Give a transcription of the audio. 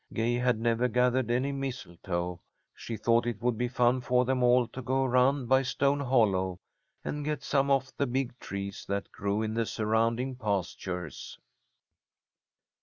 Gay had never gathered any mistletoe. She thought it would be fun for them all to go around by Stone Hollow, and get some off the big trees that grew in the surrounding pastures.